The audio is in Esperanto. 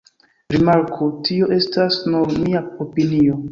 Rimarku: tio estas nur mia opinio.